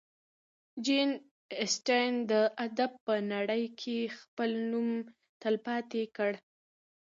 جین اسټن د ادب په نړۍ کې خپل نوم تلپاتې کړ.